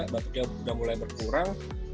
batuknya udah mulai berkurang